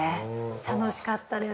楽しかったです。